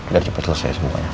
biar cepet selesai semuanya